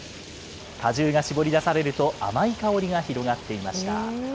果汁が搾り出されると、甘い香りが広がっていました。